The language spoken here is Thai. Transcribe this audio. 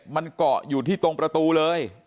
มันเกาะอยู่ที่ตรงประตูเลย